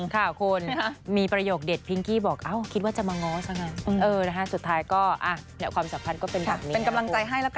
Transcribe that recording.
แค่เลิกแบบงง